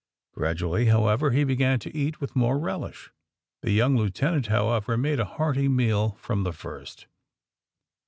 Gradually, however, he began to eat with more relish. The young lieutenant, however, made a hearty meal from the first.